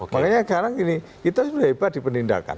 makanya sekarang gini kita sudah hebat di penindakan